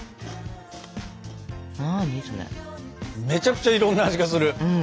めちゃくちゃいろんな味がする。